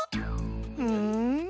うん？